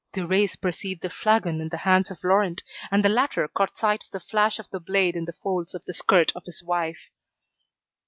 Thérèse perceived the flagon in the hands of Laurent, and the latter caught sight of the flash of the blade in the folds of the skirt of his wife.